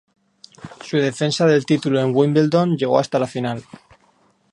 Su defensa del título en Wimbledon llegó hasta la final.